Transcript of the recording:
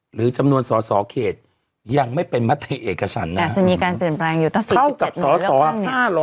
หรือจำนวนสอสอเขตยังไม่เป็นมัธิเอกกับฉันแล้วจะมีการเปลี่ยนแปลงอยู่ตั้ง๔๗หนึ่งแล้วกัน